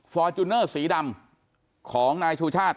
ฟอร์จูเนอร์สีดำของนายชูชาติ